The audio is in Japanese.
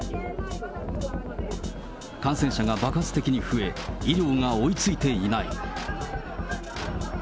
感染者が爆発的に増え、医療が追いついていない。